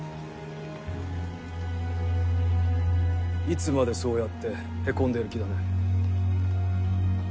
いつまでそうやってへこんでる気だね？